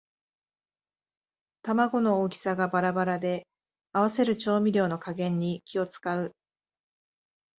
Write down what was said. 玉子の大きさがバラバラで合わせる調味料の加減に気をつかう